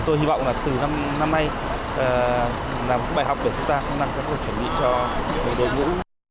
tôi hy vọng là từ năm nay làm các bài học của chúng ta sẽ làm các bài chuẩn bị cho đội ngũ